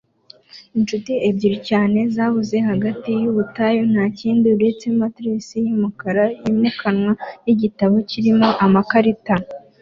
Inshuti ebyiri cyane zabuze hagati yubutayu ntakindi uretse matelas yumukara yimukanwa nigitabo kirimo amakarita